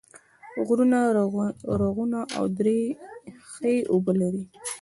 غرونه، رغونه او درې ښې اوبه لري